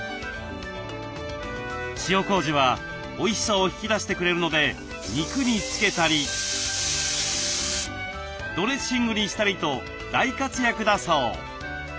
塩こうじはおいしさを引き出してくれるので肉につけたりドレッシングにしたりと大活躍だそう。